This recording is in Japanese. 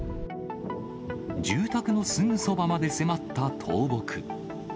住宅のすぐそばまで迫った倒木。